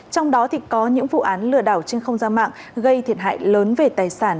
trong đó có những vụ án lừa đảo trên không gian mạng gây thiệt hại lớn về tài sản